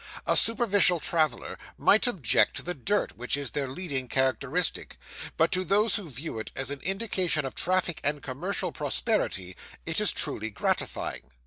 A superficial traveller might object to the dirt, which is their leading characteristic; but to those who view it as an indication of traffic and commercial prosperity, it is truly gratifying.